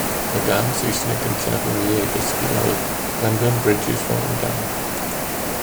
Y gân Saesneg gyntaf i mi ei dysgu oedd London Bridge is falling down.